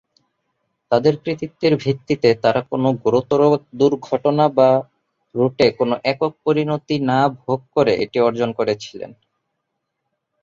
তাদের কৃতিত্বের ভিত্তিতে তারা কোনও গুরুতর দুর্ঘটনা বা রুটে কোনও একক পরিণতি না ভোগ করে এটি অর্জন করেছিলেন।